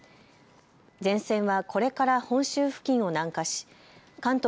前線はこれから本州付近を南下し関東